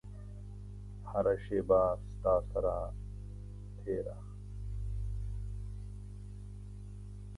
هره شیبه ستا سره تیره